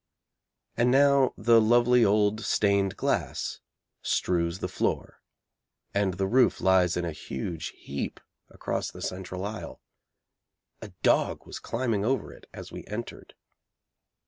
And now the lovely old stained glass strews the floor, and the roof lies in a huge heap across the central aisle. A dog was climbing over it as we entered.